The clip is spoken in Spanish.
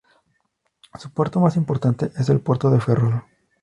Su puerto más importante es el Puerto de Ferrol.